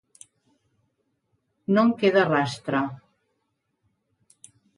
No en queda rastre.